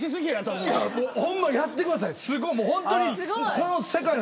ほんま、やってください。